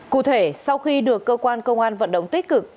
cụ thể sau khi được cơ quan công an vận động tích cực